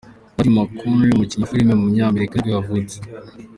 Matthew McConaughey, umukinnyi wa filime w’umunyamerika nibwo yavutse.